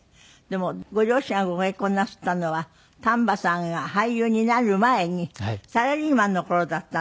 でもご両親がご結婚なすったのは丹波さんが俳優になる前にサラリーマンの頃だったんです。